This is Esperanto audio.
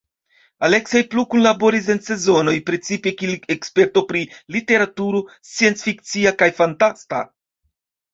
Aleksej plu kunlaboris en Sezonoj, precipe kiel eksperto pri literaturo scienc-fikcia kaj fantasta.